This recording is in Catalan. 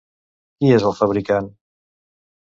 Qui és el fabricant?